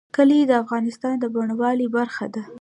کلي د افغانستان د بڼوالۍ برخه ده.